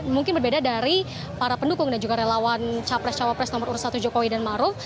mungkin berbeda dari para pendukung dan juga relawan capres cawapres nomor urut satu jokowi dan maruf